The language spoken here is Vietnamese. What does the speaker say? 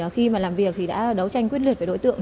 khi mà làm việc thì đã đấu tranh quyết liệt với đối tượng